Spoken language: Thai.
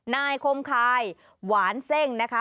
นายคมคายหวานเซ่งนะคะ